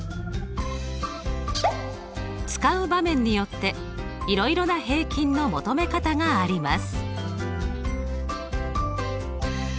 使う場面によっていろいろな平均の求め方があります。